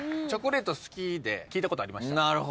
チョコレート好きで聞いたことありました。